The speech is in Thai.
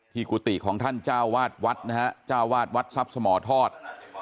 กุฏิของท่านเจ้าวาดวัดนะฮะเจ้าวาดวัดทรัพย์สมทอด